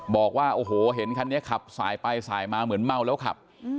บอกว่าโอ้โหเห็นคันนี้ขับสายไปสายมาเหมือนเมาแล้วขับ